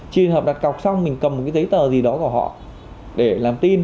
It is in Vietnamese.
trường hợp đặt cọc xong mình cầm một cái giấy tờ gì đó của họ để làm tin